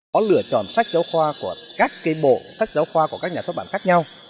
có lựa chọn sách giáo khoa của các cái bộ sách giáo khoa của các nhà xuất bản khác nhau